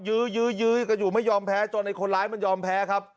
ยื้อยื้อยื้อกันอยู่ไม่ยอมแพ้จนไอ้คนร้ายมันยอมแพ้ครับ